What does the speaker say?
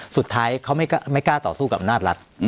สุดท้ายเขาไม่กล้าต่อสู้กับอำนาจรัฐ